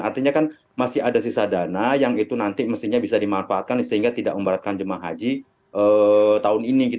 artinya kan masih ada sisa dana yang itu nanti mestinya bisa dimanfaatkan sehingga tidak membaratkan jemaah haji tahun ini